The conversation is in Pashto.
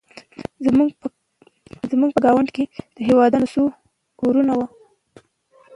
زموږ په ګاونډ کې د یهودانو څو کورونه وو